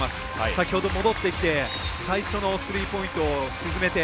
先ほど戻ってきて最初のスリーポイントを沈めて。